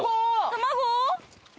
卵？